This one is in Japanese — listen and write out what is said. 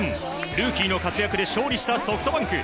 ルーキーの活躍で勝利したソフトバンク。